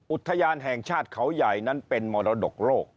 อุทยานแห่งชาติเขาใหญ่นั้นเป็นมรดกโรค